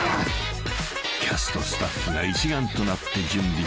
［キャストスタッフが一丸となって準備し］